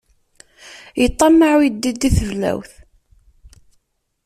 Yeṭṭammaɛ uyeddid di teblawt.